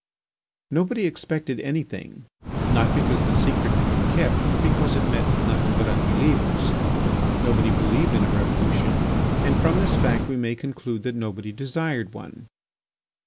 Nobody expected anything, not because the secret had been kept but because it met with nothing but unbelievers. Nobody believed in a revolution, and from this fact we may conclude that nobody desired one.